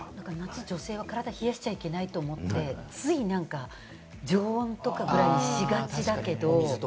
女性は体冷やしちゃいけないと思ってつい常温とかぐらいにしがちだけど。